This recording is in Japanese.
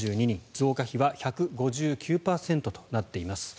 増加比は１５９％となっています。